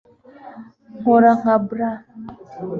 nkora nka brat